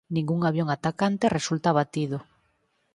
Ningún avión atacante resulta abatido.